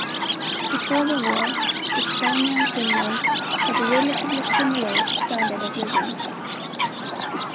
Before the war, Estonia and Finland had a relatively similar standard of living.